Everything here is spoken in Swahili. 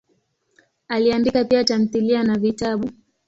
Aliandika pia tamthilia na vitabu.